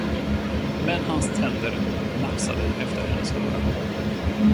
Men hans tänder nafsade efter hennes öra.